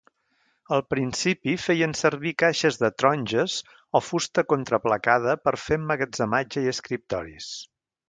Al principi feien servir caixes de taronges o fusta contraplacada per fer emmagatzematge i escriptoris.